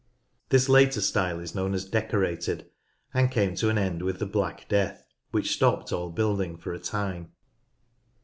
This later style is known as "Decorated," and came to an end with the Black Death, which stopped all building for a time.